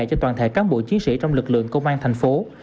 cho toàn thể cán bộ chiến sĩ trong lực lượng công an tp hcm